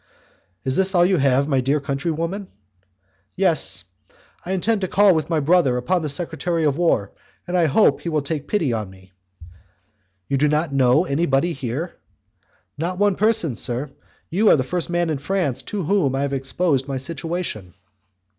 "Is this all you have, my dear countrywoman?" "Yes. I intend to call with my brother upon the secretary of war, and I hope he will take pity on me." "You do not know anybody here?" "Not one person, sir; you are the first man in France to whom I have exposed my situation."